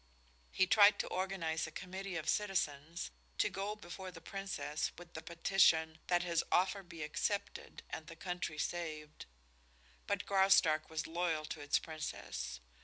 He tried to organize a committee of citizens to go before the Princess with the petition that his offer be accepted and the country saved. But Graustark was loyal to its Princess.